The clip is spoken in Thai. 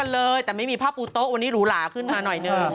นุ่นโทงมาที่โบราษับที่ครึ่งมาตามนี้